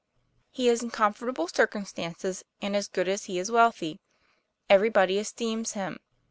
' He is in comfortable circumstances, and as good as he is wealthy. Everybody esteems him.